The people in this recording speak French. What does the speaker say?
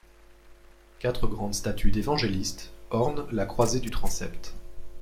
Quatre grandes statues d'évangélistes ornent la croisée du transept.